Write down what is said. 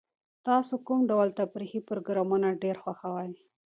تاسو کوم ډول تفریحي پروګرامونه ډېر خوښوئ؟